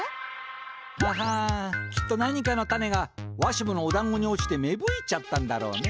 ははんきっと何かのたねがわしものおだんごに落ちてめぶいちゃったんだろうね。